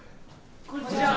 こんにちは。